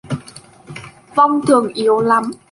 vong thường yếu lắm